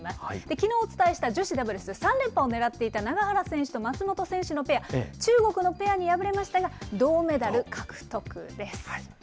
きのうお伝えした女子ダブルス、３連覇を狙っていた永原選手と松本選手のペア、中国のペアに敗れましたが、銅メダル獲得です。